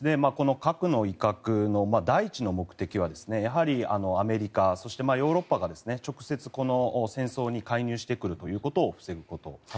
核の威嚇の第１の目的はやはりアメリカ、そしてヨーロッパが直接、戦争に介入してくることを防ぐこと。